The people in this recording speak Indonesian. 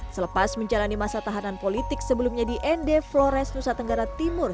selepas menjalani masa tahanan politik sebelumnya di nd flores nusa tenggara timur